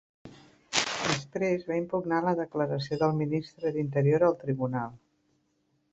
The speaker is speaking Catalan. Després va impugnar la declaració del Ministre d'Interior al tribunal.